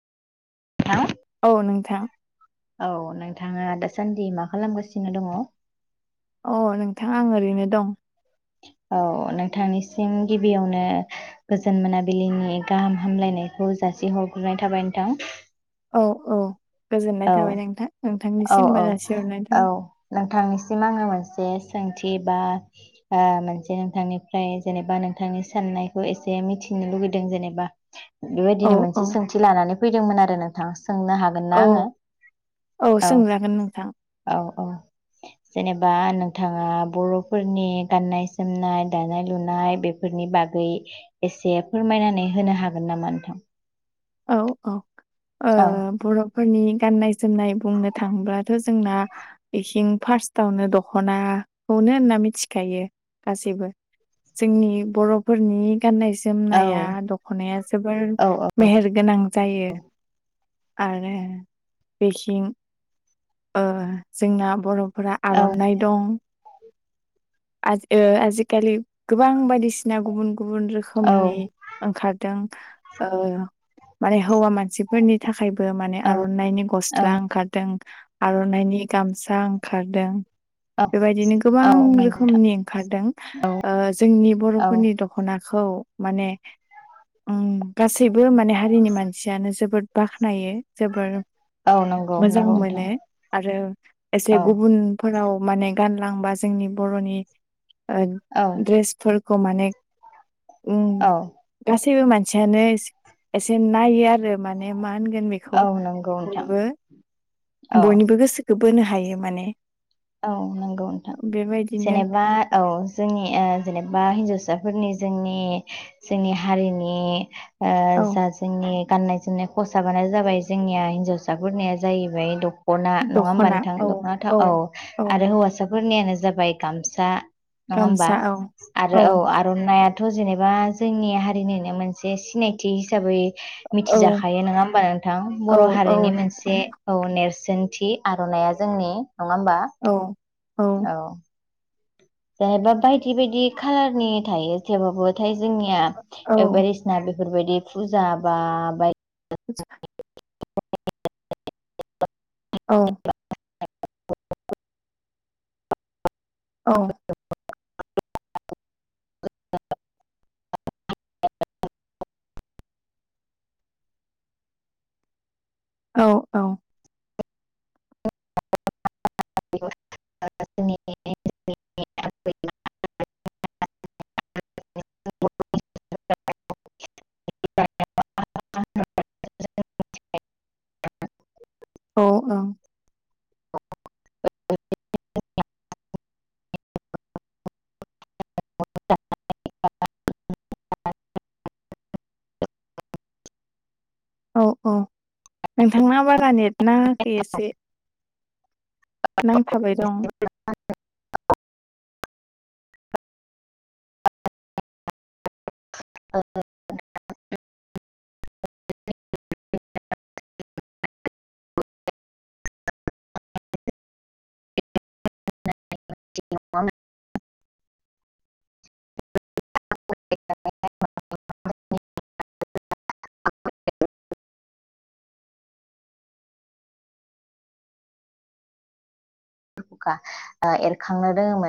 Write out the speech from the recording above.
Hello औ नोंथां औ नों थाङा दासान्दि मा खालामगासिनो दङ। अ नोंथां आं ओरैनो दं। औ नोंथांनिसिम गिबियावनो गोजोन मोनाबिलिनि गाहाम हामलायनायखौ जासि हरग्रोनाय थाबाय नोंथां। औ औ। गोजोननाय औ थाबाय नोंथां औ नोंथांनिसिमबो औ जासिहरनाय औ थाबाय नोंथांनिसिम आङो मोनसे सोंथि बा ओ मोनसे नोंथांनिफ्राय जेनेबा नोंथांनि साननायखौ एसे मिथिनो बुंनो लुबैदों जेनेबा औ बेबायदिनो औ मोनसे सोंथि लानानै फैदोंमोन आरो नोंथां सोंनो हागोन औ ना हो औ सोंजागोन नोंथां औ औ जेनेबा नोंथाङा बर'फोरनि गाननाय जोमनाय दानाय लुनाय बेफोरनि बाग गै एसे फोरमायनानै होनो हागोन नामा नोंथां औ औ ओ औ बर'फोरनि गाननाय जोमनाय बुंनो थांयोबाथ' जोंना इसिं फार्स्टावनो दखनाखौ नो होनना मिथिखायो गासैबो जोंनि बर'फोरनि गाननाय औ जोमनाया दखनाया जोबोर औ मेहेर गोनां जायो आरो बेथिं ओ जोंना बर' फोरा औ आर'नाइ दं आज ओ आजिखालि गोबां बायदिसिना गुबुन गुबुन औ रोखोमनि ओंखारदों ओ माने हौवा मानसिफोरनि थाखायबो माने आर'नाइनि औ गस्ला ओंखारदों आर'नाइनि गामसा ओंखारदों औ बेबायदिनो गोबां औ रोखोम नंगौ नोंथां खोमनि ओंखारदों औ ओ जोंनि औ बर'फोरनि दख'ना खौ माने उम गासैबो माने हारिनि मानसियानो जोबोद बाख्नायो जोबोर औ नंगौ मोजां नंगौ नोंथां मोनो आरो एसे औ गुबुनफोराव माने गानलांबा औ उम औ गासैबो मानसियानो एसे नायो आरो माने मा होनगोन बेखौ औ नंगौ नोंथां बयबो औ बयनिबो गोसो होबोनो हायो माने औ नंगौ नोंथां बेबायदिनो जेनेबा औ जोंनि जेनेबा हिन्जावसाफोरनि जोंनि जोंनि हारिनि ओ औ जा जोंनि गाननाय जोमनाय खसाबानो जाबाय जोंनिया हिनजावसाफोरनिया जाहैबाय द दखना नङा होमबा दख'ना नोंथां औ दखानाथ औ औ आरो हौवासाफोरनियानो जाबाय गामसा नङा होमबा गामसा औ आरो औ आर'नायइ दाथ' जेनेबा जोंनि हारिनिनो मोनसे सिनायथि हिसाबै औ मिथिजाखायो नङा हबा नोंथां औ बर' औ हारिनि नोंथां मोनसे औ नेरसोन नेरसनथि आर'नाइा जोंनि नङा होमबा औ औ जाहैबा बायदि बायदि खाालारनि थायो जेबाबो थायो जोंनिया औ बायदिसिना बेफोरबायदि फुजा बा बाय [unintelligible] [unintelligible] औ औ [inaudible] [inaudible] औ औ [inaudible] [unintelligible] [inaudible] औ औ औ औ नोंथांना बारा नेटनाङाखै एसे नांयफाबाय दं [unintelligible] [inaudible] [inaudible] [inaudible] [inaudible] एरखांनो रोङोमोन